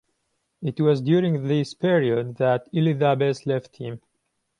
It was during this period that Elizabeth left him.